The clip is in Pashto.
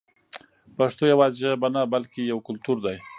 پښتو یوازې ژبه نه بلکې یو کلتور دی.